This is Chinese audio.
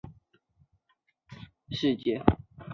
这是个精灵与人类结为夥伴共生的世界。